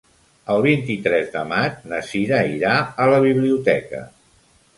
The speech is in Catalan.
El vint-i-tres de maig na Cira irà a la biblioteca.